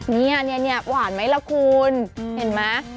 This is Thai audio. เนี่ยหวานไหมล่ะคุณเห็นไหม